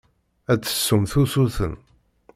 Ad d-tessumt usuten.